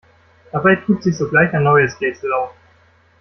Dabei tut sich sogleich ein neues Rätsel auf.